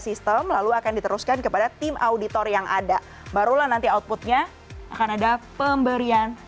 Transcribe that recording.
sistem lalu akan diteruskan kepada tim auditor yang ada barulah nanti outputnya akan ada pemberian